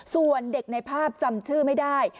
ส่วนเด็กในภาพจำชื่อไม่ได้